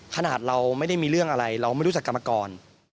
ขนาดเราไม่ได้มีเรื่องอะไรเราไม่รู้จักกันมาก่อน